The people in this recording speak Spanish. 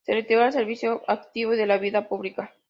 Se retiró del servicio activo y de la vida pública.